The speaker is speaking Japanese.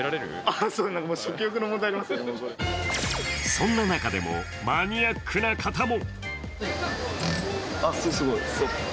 そんな中でもマニアックな方も。